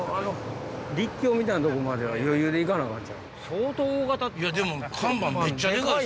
陸橋みたいなとこまでは余裕で行かなあかんちゃう？